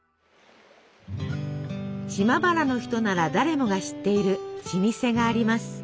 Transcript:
島原の人なら誰もが知っている老舗があります。